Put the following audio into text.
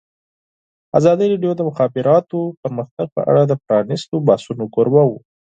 ازادي راډیو د د مخابراتو پرمختګ په اړه د پرانیستو بحثونو کوربه وه.